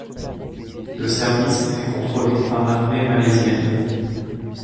Le service est contrôlé par l'armée malaisienne.